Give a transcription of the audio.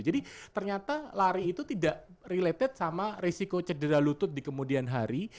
jadi ternyata lari itu tidak related sama risiko cedera lutut di kemudian hari